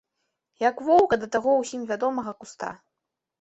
Як воўка да таго, усім вядомага куста.